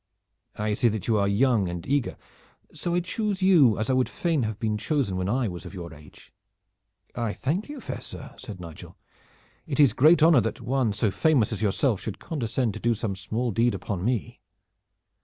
"I see that you are young and eager, so I choose you as I would fain have been chosen when I was of your age." "I thank you, fair sir," said Nigel. "It is great honor that one so famous as yourself should condescend to do some small deed upon me."